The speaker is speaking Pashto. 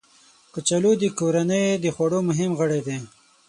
کچالو د کورنۍ د خوړو مهم غړی دی